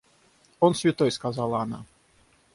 Он святой, — сказала она.